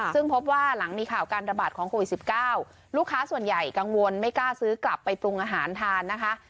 ซึ่งพบว่าหลังมีข่าวการระบาดของโควิด๑๙ลูกค้าส่วนใหญ่กังวลไม่กล้าซื้อกลับไปปรุงอาหารทานนะคะ